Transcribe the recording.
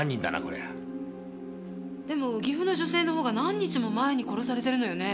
でも岐阜の女性の方が何日も前に殺されてるのよね？